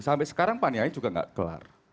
sampai sekarang panianya juga gak kelar